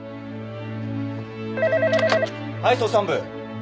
はい捜査本部。